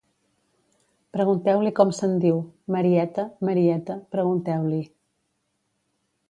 Pregunteu-li com se'n diu, Marieta, Marieta, pregunteu-li